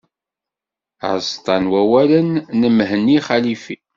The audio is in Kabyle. Aẓeṭṭa n wawalen n Mhenni Xalifi.